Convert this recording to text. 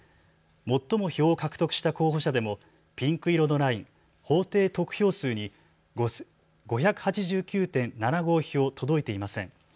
最も票を獲得した候補者でもピンク色のライン、法定得票数にに５８９．７５票届いていません。